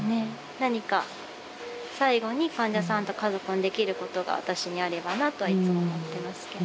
何か最後に患者さんと家族にできることが私にあればなとはいつも思ってますけど。